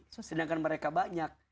sedangkan mereka banyak